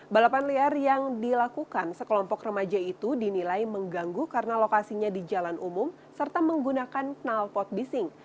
balapan liar yang dilakukan sekelompok remaja itu dinilai mengganggu karena lokasinya di jalan umum serta menggunakan kenalpot bising